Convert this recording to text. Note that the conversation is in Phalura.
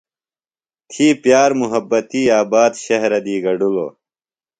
تھی پِیار مُحبتی آباد شہرہ دی گڈِلوۡ۔